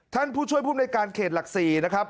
ท่านผู้ช่วยภูมิในการเขตหลัก๔นะครับ